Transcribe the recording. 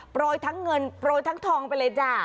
โปรยทั้งเงินโปรยทั้งทองไปเลยจ้า